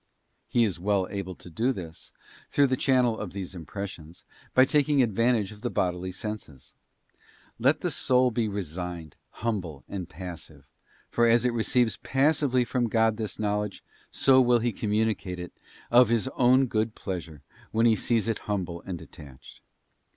He is well able to do this, through the channel of these impressions, by taking advantage of the bodily senses. Let the soul be resigned, humble and passive, for as it receives passively from God this knowledge; so will He communicate it, of His own good pleasure, when He sees it humble and detached.